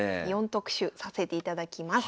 ４特集させていただきます。